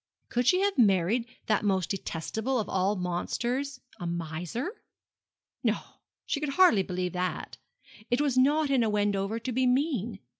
Could she have married that most detestable of all monsters, a miser? No, she could hardly believe that. It was not in a Wendover to be mean.